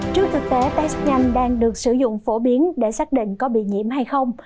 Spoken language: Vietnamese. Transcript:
trước thực tế test nhanh đang được sử dụng phổ biến để xác định có bị nhiễm hay không